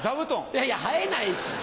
いやいや生えないし！